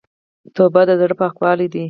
توبه د زړه پاکوالی ده.